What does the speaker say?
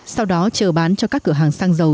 sau đó chờ bán cho các cửa hàng xăng dầu